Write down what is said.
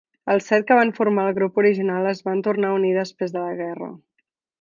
Els set que van formar el grup original es van tornar a unir després de la guerra.